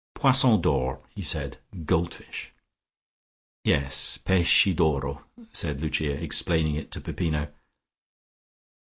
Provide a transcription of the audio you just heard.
"Poissons d'or," he said. "Goldfish!" "Yes; Pesci d'oro," said Lucia, explaining it to Peppino.